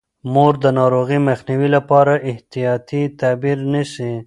مور د ناروغۍ مخنیوي لپاره احتیاطي تدابیر نیسي.